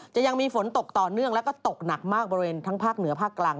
ยังมีฝนตกต่อเนื่องแล้วก็ตกหนักมากบริเวณทั้งภาคเหนือภาคกลาง